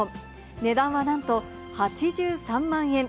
値段はなんと８３万円。